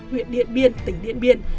huyện điện biên tỉnh điện biên